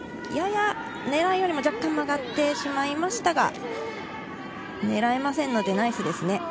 やや狙いよりも若干、曲がってしまいましたが狙えませんのでナイスですね。